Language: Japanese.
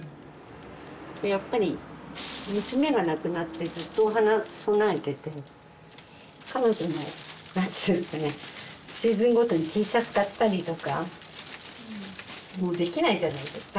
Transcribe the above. やっぱり娘が亡くなってずっとお花供えてて彼女の何ていうんですかねシーズンごとにＴシャツ買ったりとかもうできないじゃないですか。